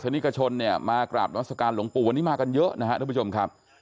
นิกชนเนี่ยมากราบนัศกาลหลวงปู่วันนี้มากันเยอะนะครับทุกผู้ชมครับ